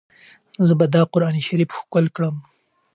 زه به دا قرانشریف ښکل کړم.